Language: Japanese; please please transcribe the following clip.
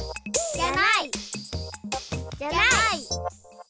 じゃない。